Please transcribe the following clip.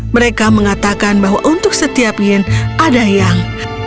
mereka mengatakan bahwa untuk setiap yen ada yang